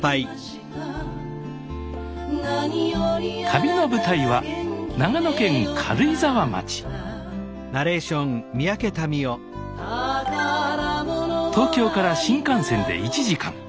旅の舞台は長野県軽井沢町東京から新幹線で１時間。